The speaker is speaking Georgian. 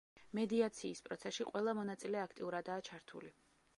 მედიაციის პროცესში ყველა მონაწილე აქტიურადაა ჩართული.